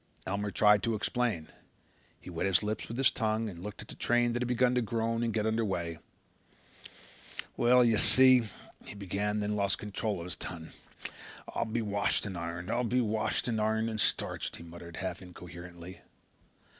Elmer tried to explain. He wet his lips with his tongue and looked at the train that had begun to groan and get under way. "Well, you see," he began, and then lost control of his tongue. "I'll be washed and ironed. I'll be washed and ironed and starched," he muttered half incoherently.